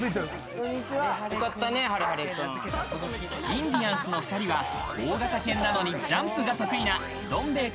インディアンスの２人は大型犬なのにジャンプが得意な、どんべぇ